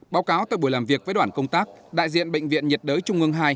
báo cáo tại buổi làm việc với đoàn công tác đại diện bệnh viện nhiệt đới trung ương hai